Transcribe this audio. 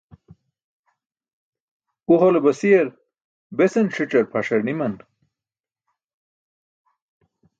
u hole basiyar besan ṣic̣ar phaṣar niman